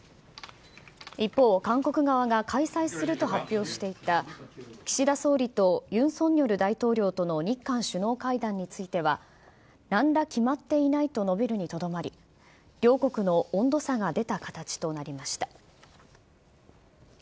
一方、韓国側が開催すると発表していた岸田総理とユン・ソンニョル大統領との日韓首脳会談については、なんら決まっていないと述べるにとどまり、両国の温度差が出た形となりました。